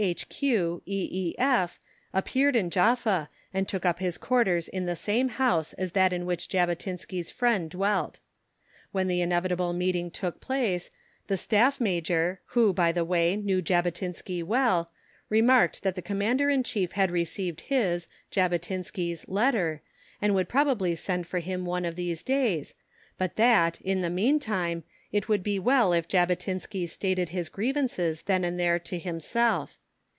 H.Q., E.E.F., appeared in Jaffa and took up his quarters in the same house as that in which Jabotinsky's friend dwelt. When the inevitable meeting took place, the Staff Major, who, by the way, knew Jabotinsky well, remarked that the Commander in Chief had received his (Jabotinsky's) letter, and would probably send for him one of these days, but that, in the meantime, it would be well if Jabotinsky stated his grievances then and there to himself.